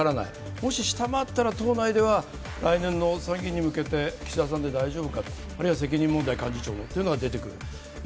もし下回ったら党内では来年の参議院に向けて岸田さんで大丈夫かと、あるいは責任問題幹事長と出てくるかもしれない。